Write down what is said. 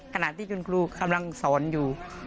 ขณะที่คุณครูกำลังสอนอยู่